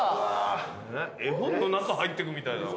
絵本の中入ってくみたいだ。